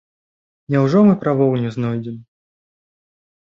Няўжо мы правоў не знойдзем?